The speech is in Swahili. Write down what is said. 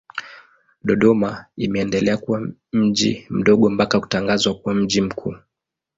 Dodoma imeendelea kuwa mji mdogo mpaka kutangazwa kuwa mji mkuu.